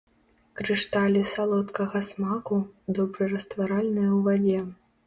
Крышталі салодкага смаку, добра растваральныя ў вадзе.